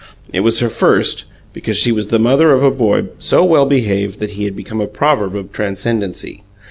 It was her first, because she was the mother of a boy so well behaved that he had become a proverb of transcendency.